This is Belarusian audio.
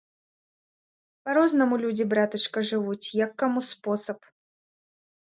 Па-рознаму людзі, братачка, жывуць, як каму спосаб.